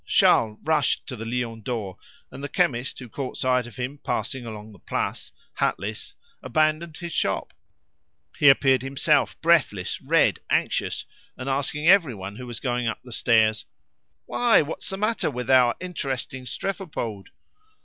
Charles rushed to the "Lion d'Or," and the chemist, who caught sight of him passing along the Place hatless, abandoned his shop. He appeared himself breathless, red, anxious, and asking everyone who was going up the stairs "Why, what's the matter with our interesting strephopode?"